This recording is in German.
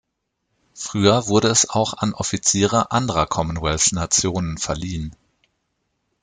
Früher wurde es auch an Offiziere anderer Commonwealth-Nationen verliehen.